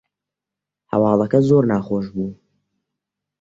هەواڵەکە زۆر ناخۆش بوو